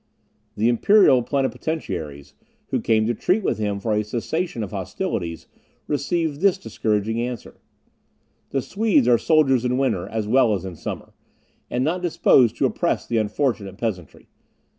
The imperial plenipotentiaries, who came to treat with him for a cessation of hostilities, received this discouraging answer: "The Swedes are soldiers in winter as well as in summer, and not disposed to oppress the unfortunate peasantry.